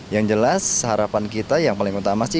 yang jelas harapan kita yang paling utama sih